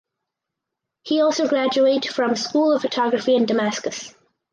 He also graduate from School of Photography in Damascus.